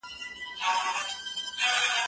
که وطن کي پوهه عامه شي، تیاره ورکيږي.